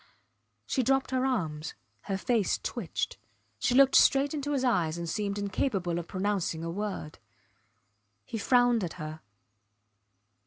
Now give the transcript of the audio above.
She dropped her arms; her face twitched. She looked straight into his eyes and seemed incapable of pronouncing a word. He frowned at her.